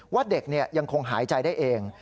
ว่าเด็กยังคงหายใจได้เอง